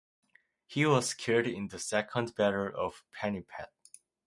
He was killed in the Second Battle of Panipat.